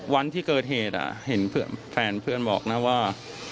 วันที่เกิดเหตุเห็นแฟนเพื่อนบอกนะว่า